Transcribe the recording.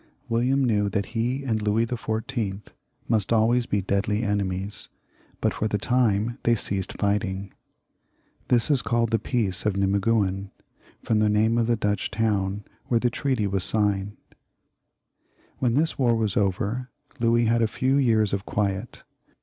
Winiam knew that he and Louis XIV. must always be deadly enemies, but for the time they ceased fighting. This is called the peace of Nimeguen, from the name of the Dutch town where it was signed. When this war was over, Louis had a few years of quiet.